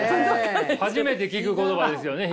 初めて聞く言葉ですよね